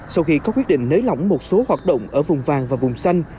sau khi có quyết định nới lỏng một số hoạt động ở vùng vàng và vùng xanh